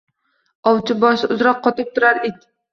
Ovchi boshi uzra qotib turar it.